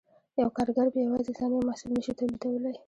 یو کارګر په یوازې ځان یو محصول نشي تولیدولی